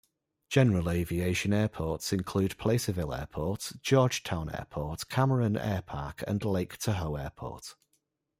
General aviation airports include Placerville Airport, Georgetown Airport, Cameron Airpark and Lake Tahoe Airport.